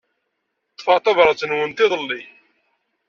Ḍḍfeɣ-d tabṛat-nwent iḍelli.